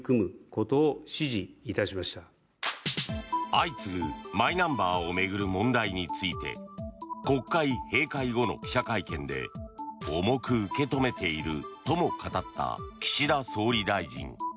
相次ぐマイナンバーを巡る問題について国会閉会後の記者会見で重く受け止めているとも語った岸田総理大臣。